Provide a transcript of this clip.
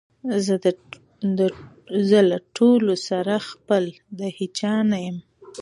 زه له ټولو سره خپل د هیچا نه یم